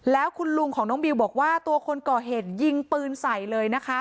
แล้วคุณลุงของน้องบิวบอกว่าตัวคนก่อเหตุยิงปืนใส่เลยนะคะ